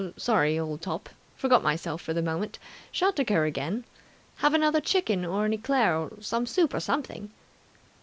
"Sorry, old top! Forgot myself for the moment. Shan't occur again! Have another chicken or an eclair or some soup or something!"